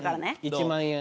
１万円？